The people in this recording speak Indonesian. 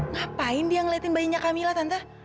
ngapain dia ngeliatin bayinya camilla tante